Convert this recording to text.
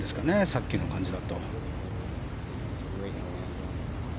さっきの感じだと。